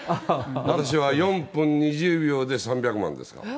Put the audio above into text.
私は４分２０秒で３００万ですから。